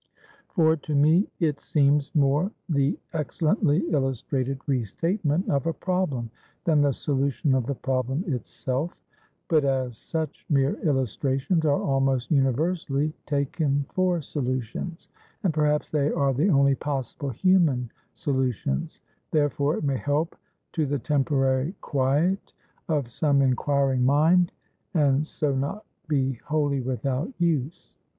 For to me it seems more the excellently illustrated re statement of a problem, than the solution of the problem itself. But as such mere illustrations are almost universally taken for solutions (and perhaps they are the only possible human solutions), therefore it may help to the temporary quiet of some inquiring mind; and so not be wholly without use.